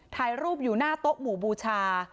ถ่ายรูปอยู่หน้าโต๊ะหมู่บูชา